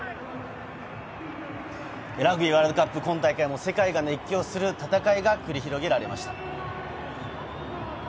ラグビーワールドカップ、今大会も世界が熱狂する戦いが繰り広げられました。